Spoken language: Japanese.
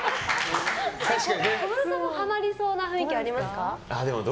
小室さんもハマりそうな雰囲気ありますか？